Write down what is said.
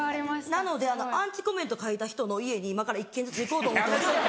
なのでアンチコメント書いた人の家に今から１軒ずつ行こうと思ってます。